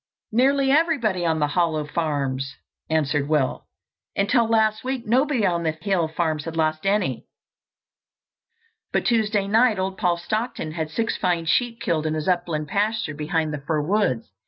"Nearly everybody on the Hollow farms," answered Will. "Until last week nobody on the Hill farms had lost any. But Tuesday night old Paul Stockton had six fine sheep killed in his upland pasture behind the fir woods.